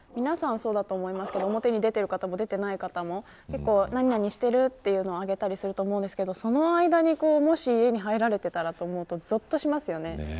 そうだと思いますけれども表に出ている方も出ていない方も何々しているというのを上げると思うんですけどその間に、もし家に入られていたらと思うとぞっとしますよね。